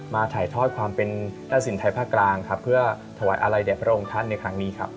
ถ่ายทอดความเป็นหน้าสินไทยภาคกลางครับเพื่อถวายอะไรแด่พระองค์ท่านในครั้งนี้ครับ